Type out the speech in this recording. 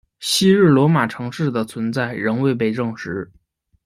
昔日罗马城市的存在仍未被证实。